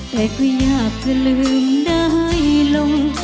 แต่ก็อยากจะลืมได้ลง